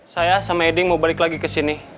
saya sama eding mau balik lagi kesini